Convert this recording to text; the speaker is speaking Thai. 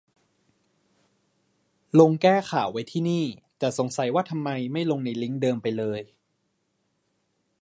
ลงแก้ข่าวไว้ที่นี่ แต่สงสัยว่าทำไมไม่ลงในลิงก์เดิมไปเลย